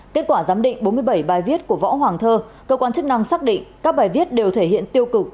kết quả giám định bốn mươi bảy bài viết của võ hoàng thơ cơ quan chức năng xác định các bài viết đều thể hiện tiêu cực